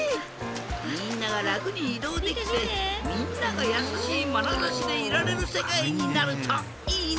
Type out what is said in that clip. みんながらくにいどうできてみんながやさしいまなざしでいられるせかいになるといいね！